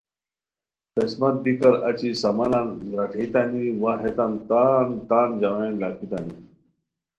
خسمتی نیزیکار اچی سامانن زراٹھیتانی وا ہیتان تان ژاغین لاکھیتانی